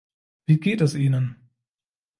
Wie geht es Ihnen?